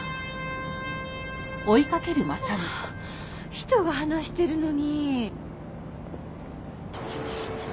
もう人が話してるのに。